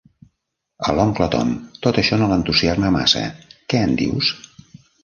A l'oncle Tom tot això no l'entusiasma massa, què en dius?